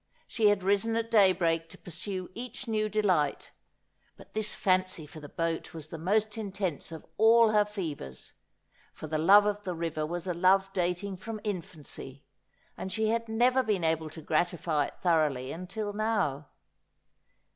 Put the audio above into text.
She had risen at daybreak to pursue each new delight : but this fancy for the boat was the most intense of all her fevers, for the love of the river was a love dating from infancy, and she had never been able to gratify it thoroughly until now.